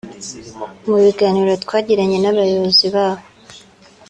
Mu biganiro twagiranye n’abayobozi baho